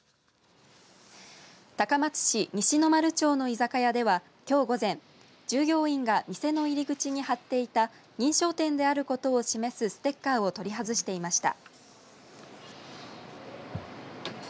高松市西の丸町の居酒屋ではきょう午前従業員が店の入り口に貼っていた認証店であることを示すステッカーを取り外していました。